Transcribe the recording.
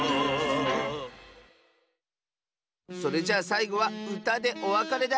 それじゃあさいごはうたでおわかれだ！